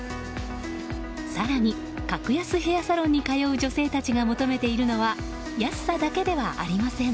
更に、格安ヘアサロンに通う女性たちが求めているのは安さだけではありません。